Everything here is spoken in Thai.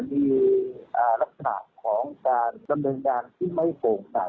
มีลักษณะของการดำเนินงานที่ไม่โปร่งใส